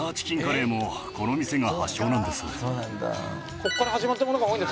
ここから始まったものが多いんだ。